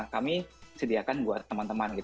kami sediakan buat teman teman